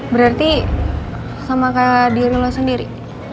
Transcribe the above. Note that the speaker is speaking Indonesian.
berarti sama kayak diri lo sendiri